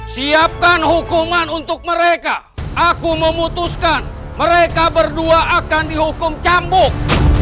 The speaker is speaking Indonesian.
siapkan hukuman untuk mereka aku memutuskan mereka berdua akan dihukum cambuk